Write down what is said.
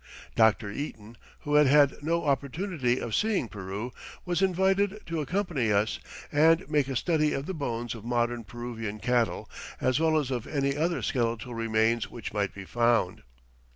Dr. Eaton, who had had no opportunity of seeing Peru, was invited to accompany us and make a study of the bones of modern Peruvian cattle as well as of any other skeletal remains which might be found.